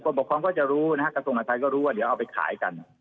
ปกครองก็จะรู้นะฮะกระทรวงมหาทัยก็รู้ว่าเดี๋ยวเอาไปขายกัน